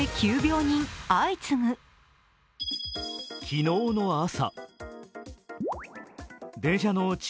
昨日の朝。